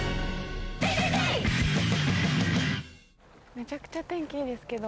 めちゃくちゃ天気いいですけど。